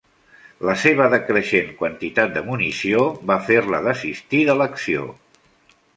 La seva decreixent quantitat de munició va fer-la desistir de l'acció.